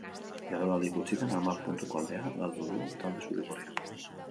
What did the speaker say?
Jardunaldi gutxitan hamar puntuko aldea galdu du talde zuri-gorriak.